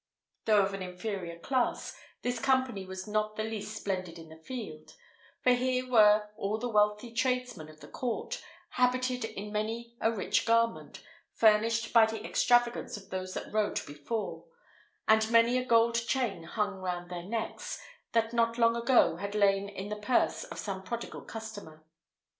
Though of an inferior class, this company was not the least splendid in the field; for here were all the wealthy tradesmen of the court, habited in many a rich garment, furnished by the extravagance of those that rode before; and many a gold chain hung round their necks, that not long ago had lain in the purse of some prodigal customer.